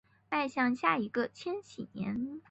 迈向下一个千禧年